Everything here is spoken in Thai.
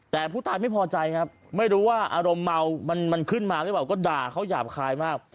แต่ผู้ตายไม่พอใจครับไม่รู้ว่าอารมณ์เมามันขึ้นมาหรือเปล่าก็ด่าเขาหยาบคายมาก